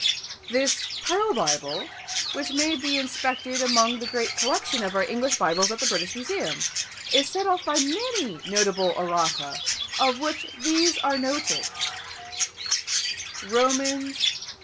This Pearl Bible, which may be inspected among the great collection of our English Bibles at the British Museum, is set off by many notable errata, of which these are noticed: Romans vi.